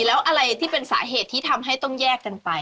แล้วอะไรที่เป็นสาเหตุที่ทำให้ต้องแยกกันไป